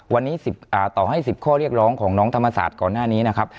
วันนี้ต่อให้๑๐ข้อเรียกร้องของน้องธรรมศาสตร์ก่อนหน้านี้นะครับ